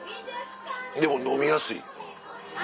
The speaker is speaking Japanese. でも飲みやすい。